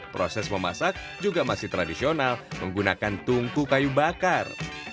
proses memasak juga masih tradisional menggunakan tungku kayu bakar